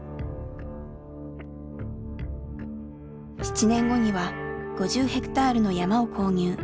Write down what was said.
７年後には５０ヘクタールの山を購入。